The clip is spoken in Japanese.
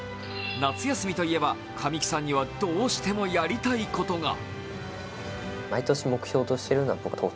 夏休みといえば神木さんにはどうしてもやりたいことが。